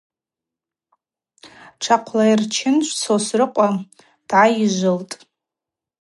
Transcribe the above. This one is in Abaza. Тшахъвлайырчын Сосрыкъва дгӏайыжвылтӏ.